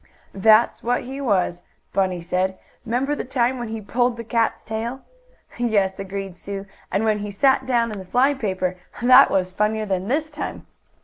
"That's what he was," Bunny said. "'Member the time when he pulled the cat's tail?" "Yes," agreed Sue. "And when he sat down in the fly paper! That was funnier than this time."